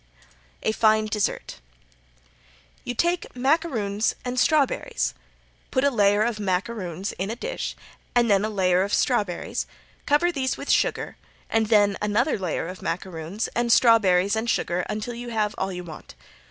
A Fine Desert "You take macaroons and strawberries. Put a layer of macaroons in a dish and then a layer of strawberries, cover these with sugar, and then another layer of macaroons and strawberries and sugar until you have all you want.